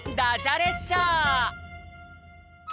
列車